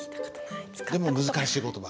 でも難しい言葉。